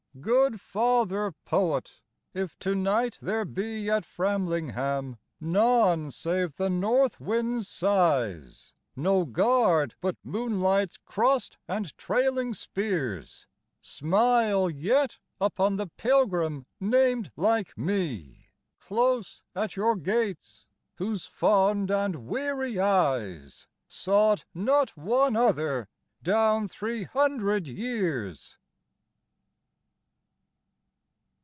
Good father poet! if to night there be At Framlingham none save the north wind's sighs, No guard but moonlight's crossed and trailing spears, Smile yet upon the pilgrim named like me, Close at your gates, whose fond and weary eyes Sought not one other down three hundred years!